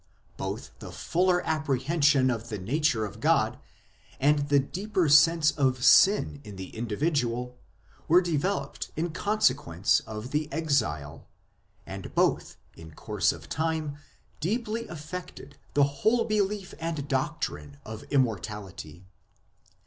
Both, the fuller apprehension of the nature of God and the deeper sense of sin in the individual, were developed in con sequence of the Exile ; and both, in course of time, deeply affected the whole belief and doctrine of Immortality.